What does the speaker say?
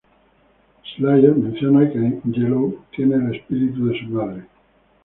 Slayer menciona que Angelou tiene el espíritu de su madre.